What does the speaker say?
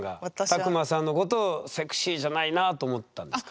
卓馬さんのことを「セクシーじゃないな」と思ったんですか？